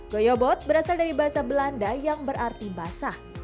goyobot berasal dari bahasa belanda yang berarti basah